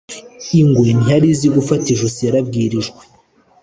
Ingwe ntiyari izi gufata ijosi yarabwirijwe.